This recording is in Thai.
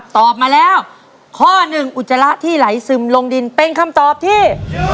ตอบมาแล้วข้อหนึ่งอุจจาระที่ไหลซึมลงดินเป็นคำตอบที่